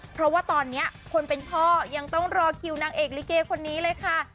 เพราะว่าตอนนี้คนเป็นพ่อยังต้องรอคิวนางเอกลิเกคนนี้เลยค่ะ